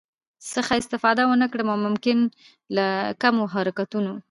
څخه استفاده ونکړم او ممکن له کمو حرکتونو